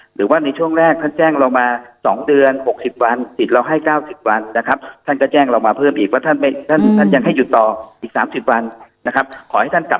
หรือว่าในช่วงแรกท่านแจ้งเรามา๒เดือน๖๐วันติดเราให้๙๐วันนะครับท่านก็แจ้งเรามาเพิ่มอีกว่าท่านท่านยังให้หยุดต่ออีก๓๐วันนะครับขอให้ท่านกลับ